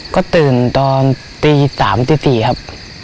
ก็ตื่นตอนตี๓ตี๔ครับ